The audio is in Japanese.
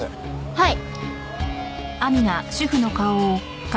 はい。